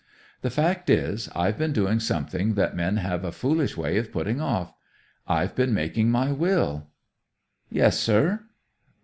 "The fact is, I've been doing something that men have a foolish way of putting off. I've been making my will." "Yes, sir."